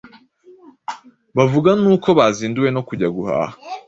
bavuga n’uko bazinduwe no kujya guhaha